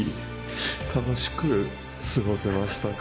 楽しく過ごせましたか？